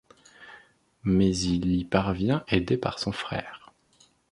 Mais il y parvient aidé par son frère.